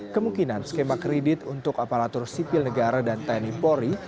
kemungkinan skema kredit untuk aparatur sipil negara dan tni polri